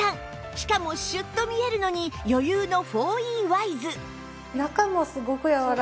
しかもシュッと見えるのに余裕の ４Ｅ ワイズ